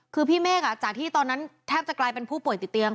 คือพี่เมฆจากที่ตอนนั้นแทบจะกลายเป็นผู้ป่วยติดเตียง